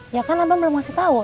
ya kan abang belum ngasih tahu